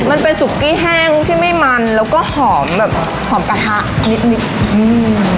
มันเป็นซุกกี้แห้งที่ไม่มันแล้วก็หอมแบบหอมกระทะนิดนิดอืม